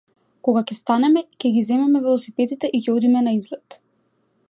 Кога ќе станеме ќе ги земеме велосипедите и ќе одиме на излет.